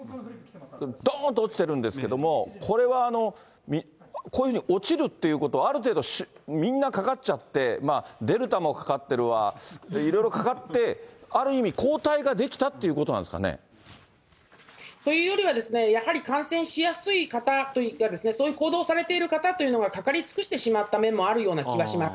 どーんと落ちてるんですけれども、これはこういうふうに落ちるっていうことは、ある程度みんなかかっちゃって、デルタもかかってるわ、いろいろかかって、ある意味、抗体が出来たってことなんですかね。というよりは、やはり感染しやすい方というか、そういう行動をされている方というのがかかり尽くしてしまった面もあるような気もします。